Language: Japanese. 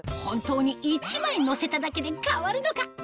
本当に１枚のせただけで変わるのか？